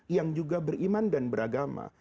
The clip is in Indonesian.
yang juga beriman dan beragama